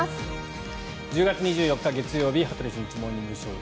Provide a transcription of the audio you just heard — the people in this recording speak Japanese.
１０月２４日、月曜日「羽鳥慎一モーニングショー」。